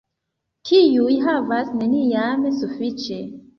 Tiuj havas neniam sufiĉe.